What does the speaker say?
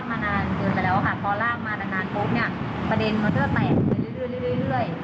แต่แล้วค่ะพอล่างมาแต่นานปุ๊บประเด็นมันเริ่มแปลงเรื่อย